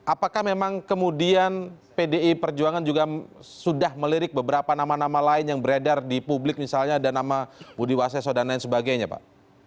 apakah memang kemudian pdi perjuangan juga sudah melirik beberapa nama nama lain yang beredar di publik misalnya ada nama budi waseso dan lain sebagainya pak